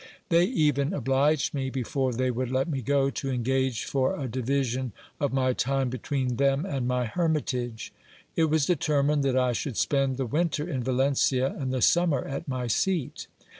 They even obliged me, before they would let me go, to engage for a division of my time between them and my hermitage. It was determined that I should spend the winter in Valencia, and the summer at my seat.